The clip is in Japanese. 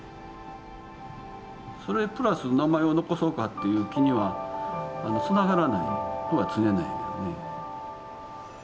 それプラス名前を残そうかっていう気にはつながらないのは常なんやけどね。